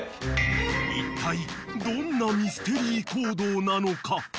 ［いったいどんなミステリー行動なのか？］